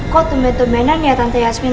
kok tumben tuminan ya tante yasmin